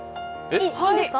いいですか？